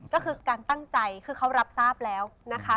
ก็คือการตั้งใจคือเขารับทราบแล้วนะคะ